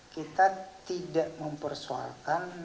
kita tidak mempersoalkan